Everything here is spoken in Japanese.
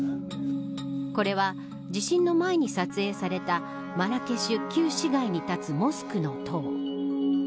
これは、地震の前に撮影されたマラケシュ旧市街に建つモスクの塔。